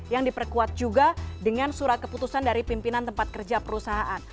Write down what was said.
yang diperkuat juga dengan surat keputusan dari pimpinan tempat kerja perusahaan